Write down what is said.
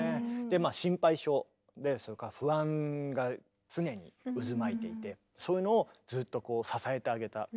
心配性でそれから不安が常に渦巻いていてそういうのをずっと支えてあげた。